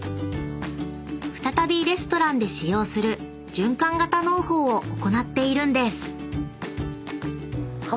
［再びレストランで使用する循環型農法を行っているんです］